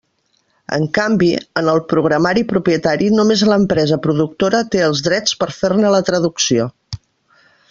En canvi, en el programari propietari només l'empresa productora té els drets per fer-ne la traducció.